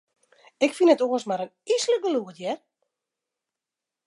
Ik fyn it oars mar in yslik gelûd, hear.